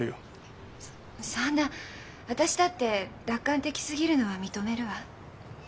そそんな私だって楽観的すぎるのは認めるわ。